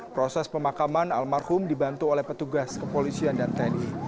proses pemakaman almarhum dibantu oleh petugas kepolisian dan tni